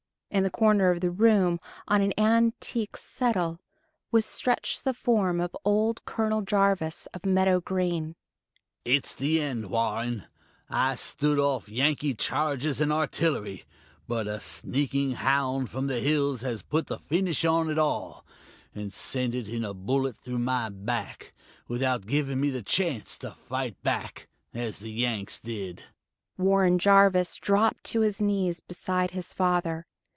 In the corner of the room, on an antique "settle," was stretched the form of old Colonel Jarvis of Meadow Green. "It's the end, Warren. I stood off Yankee charges and artillery, but a sneaking hound from the hills has put the finish on it all and sent it in a bullet through my back, without giving me the chance to fight back, as the Yanks did." Warren Jarvis dropped to his knees beside his father.